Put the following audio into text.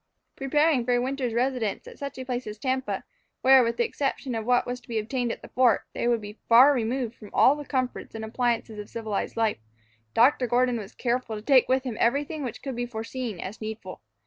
Preparing for a winter's residence at such a place as Tampa, where, with the exception of what was to be obtained at the fort, they would be far removed from all the comforts and appliances of civilized life, Dr. Gordon was careful to take with him everything which could be foreseen as needful.